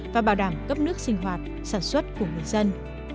và bảo đảm cấp nước sinh hoạt sản xuất của người dân